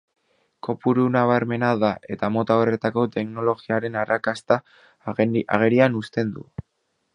Kopuru nabarmena da, eta mota horretako teknologiaren arrakasta agerian uzten du.